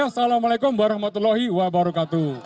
assalamualaikum warahmatullahi wabarakatuh